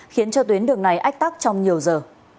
khiến cho tuyến đường này ách tắc trong nhiều giờ